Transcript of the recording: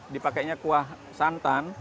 dipakainya kuah santan